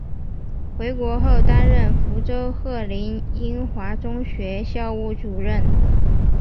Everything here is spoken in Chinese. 回国后担任福州鹤龄英华中学校务主任。